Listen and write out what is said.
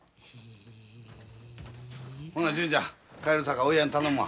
ほな純ちゃん帰るさかおいやん頼むわ。